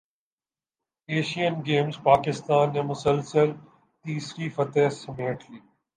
Asian Games Pakistan نے مسلسل تیسری فتح سمیٹ لی